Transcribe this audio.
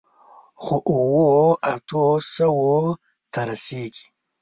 خو، اوو، اتو سووو ته رسېږي.